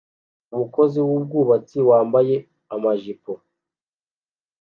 Umukozi wubwubatsi wambaye amajipo